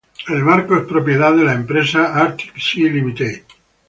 El barco es propiedad de la empresa Arctic Sea Ltd.